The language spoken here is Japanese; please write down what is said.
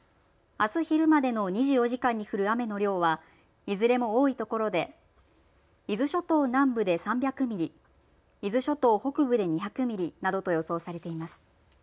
あす昼までの２４時間に降る雨の量はいずれも多いところで伊豆諸島南部で３００ミリ、伊豆諸島北部で２００ミリなどと予想されています。